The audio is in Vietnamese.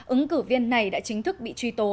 ứng cử viên này đã chính thức bị truy tố